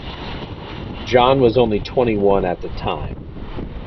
John was only twenty-one at the time.